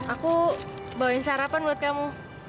aku bawain sarapan buat kamu